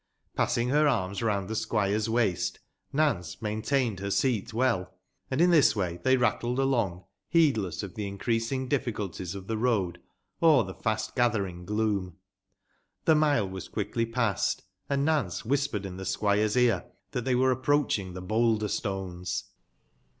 Passing ber arms round tbe squire' s waist, Nance maintained ber seat well ; and in tbis way tbey rattled along, beedless of tbe increasing difficulties of tbe road, or tbe fast« gatbering gloom. Tbe mile was quickly passed, and Nance wbispered in tbe squire's ear tbat tbey were approacbing tbe Boulder Stones.